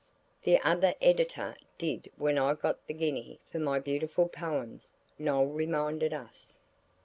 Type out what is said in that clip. '" "The other editor did when I got the guinea for my beautiful poems," Noël reminded us.